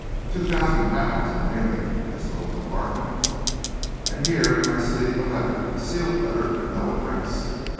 Two thousand pounds, or near it, in this little compartment. And here, I see, a letter, a sealed letter with no address."